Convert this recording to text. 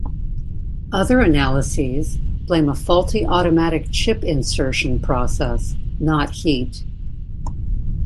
Other analyses blame a faulty automatic chip insertion process, not heat.